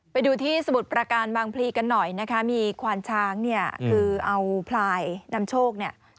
ไปดูที่สมุทรประการบางพลีกันหน่อยนะคะมีควานช้างเนี่ยคือเอาพลายนำโชคเนี่ย